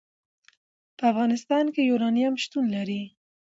په افغانستان کې یورانیم شتون لري.